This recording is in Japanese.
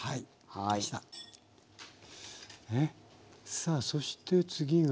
さあそして次が。